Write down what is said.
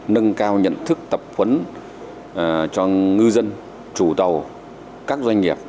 nâng cao nhận thức tập huấn cho ngư dân chủ tàu các doanh nghiệp